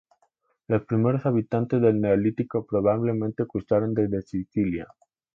Los primeros habitantes del Neolítico probablemente cruzaron desde Sicilia.